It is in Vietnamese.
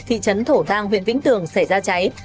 thị trấn thổ giang huyện vĩnh tường xảy ra cháy